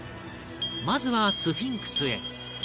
まずはスフィンクスへ